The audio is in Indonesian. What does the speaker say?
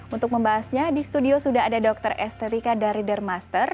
untuk membahasnya di studio sudah ada dr estetika dari dermaster